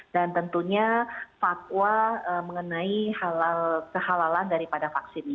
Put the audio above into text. dan tentunya fatwa mengenai halal kehalalan daripada vaksin ini